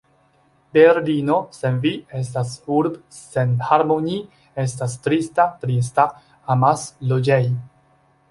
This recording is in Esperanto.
Berlino sen vi estas urb' sen harmoni' estas trista, trista, amasloĝej'